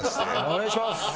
お願いします！